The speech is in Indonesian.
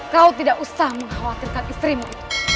kau tidak usah mengkhawatirkan istrimu